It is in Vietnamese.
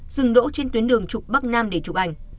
dừng đỗ trên tuyến đường trục bắc nam để chụp ảnh